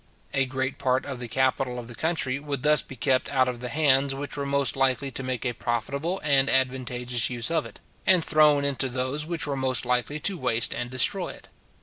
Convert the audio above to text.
A great part of the capital of the country would thus be kept out of the hands which were most likely to make a profitable and advantageous use of it, and thrown into those which were most likely to waste and destroy it.